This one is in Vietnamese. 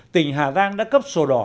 tỉnh hà giang đã cấp sổ đỏ